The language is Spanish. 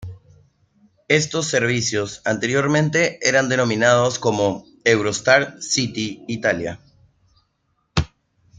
Estos servicios anteriormente eran denominados como Eurostar City Italia.